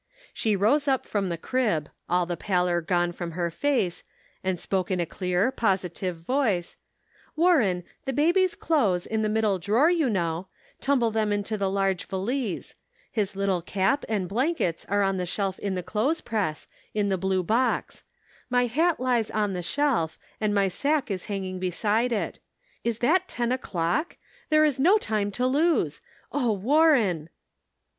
She rose up from the crib, all the pallor gone from her face, and spoke in a clear, positive voice : "Warren, the baby's clothes, in the middle drawer, you know — tumble them into the large valise ; his little cap and blankets are on the shelf in the clothes press, in the blue box ; my hat lies on the shelf, and my sack is hanging beside it. Is that ten o'clock? There is no time to lose ! Oh, Warren